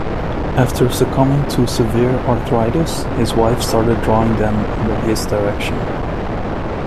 After succumbing to severe arthritis, his wife started drawing them under his direction.